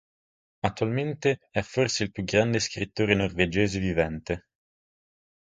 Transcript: Attualmente, è forse il più grande scrittore norvegese vivente.